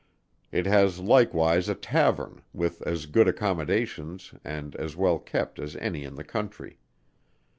It has likewise a tavern, with as good accommodations and as well kept as any in the country.